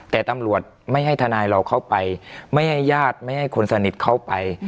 แต่ตำรวจไม่ให้ทนายเราเข้าไปไม่ให้ญาติไม่ให้คนสนิทเข้าไป